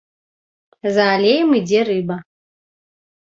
За алеем ідзе рыба.